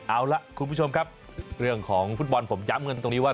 เอาล่ะคุณผู้ชมครับเรื่องของฟุตบอลผมย้ำกันตรงนี้ว่า